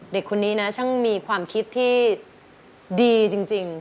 เด็กคนนี้นะช่างมีความคิดที่ดีจริง